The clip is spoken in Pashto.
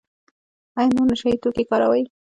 ایا نور نشه یي توکي کاروئ؟